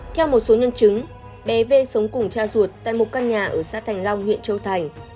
theo một số nhân chứng bé v sống cùng cha ruột tại một căn nhà ở xã thành long huyện châu thành